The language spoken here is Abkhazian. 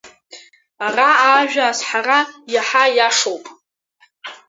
Араҟа ажәа азҳара иаҳа иашоуп.